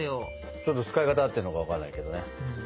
ちょっと使い方合ってるのか分かんないけどね。